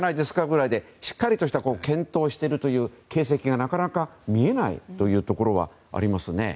くらいでしっかりとした検討をしているという形跡がなかなか見えないというところがありますね。